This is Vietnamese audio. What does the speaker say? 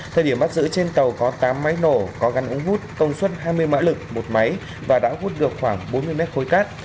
thời điểm bắt giữ trên tàu có tám máy nổ có gắn ống hút công suất hai mươi mã lực một máy và đã hút được khoảng bốn mươi mét khối cát